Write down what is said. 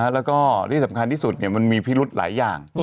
แล้วก็ที่สำคัญที่สุดมันมีพิรุธหลายอย่าง